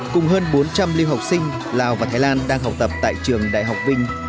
cùng hơn bốn trăm linh lưu học sinh lào và thái lan đang học tập tại trường đại học vinh